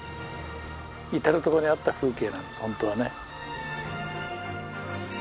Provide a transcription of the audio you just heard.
至る所にあった風景なんですホントはね。